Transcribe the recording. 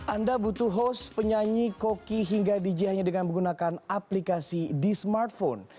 anda butuh host penyanyi koki hingga dj hanya dengan menggunakan aplikasi di smartphone